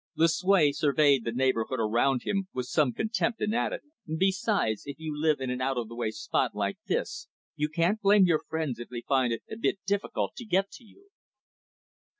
Lucue surveyed the neighbourhood around him with some contempt, and added: "Besides, if you will live in an out of the way spot like this, you can't blame your friends if they find it a bit difficult to get to you."